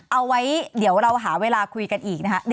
เอาไว้เดี๋ยวเราหาเวลาคุยกันอีกนะคะ